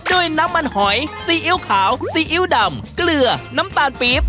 ด้วยน้ำมันหอยซีอิ๊วขาวซีอิ๊วดำเกลือน้ำตาลปี๊บ